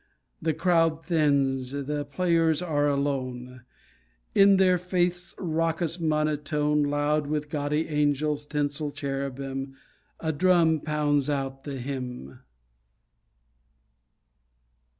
The crowd thins, the players are alone; In their faith's raucous monotone, Loud with gaudy angels, tinsel cherubim, A drum pounds out the hymn.